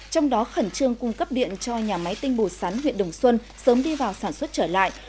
trong đó khẩn trương cung cấp điện cho nhà máy tinh bồ sắn huyện đồng xuân sớm đi vào sản xuất trở lại